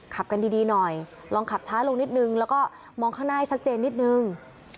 ขับกันดีหน่อยลองขับช้าลงนิดนึงแล้วก็มองข้างหน้าให้ชัดเจนนิดนึง